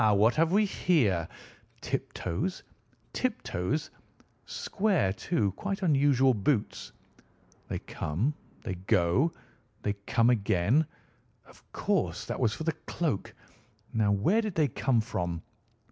What have we here? Tiptoes! tiptoes! Square, too, quite unusual boots! They come, they go, they come again—of course that was for the cloak. Now where did they come from?"